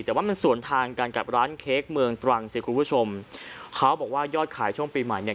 แต่ว่ามันสวนทางกันกับร้านเค้กเมืองตรังสิคุณผู้ชมเขาบอกว่ายอดขายช่วงปีใหม่เนี่ย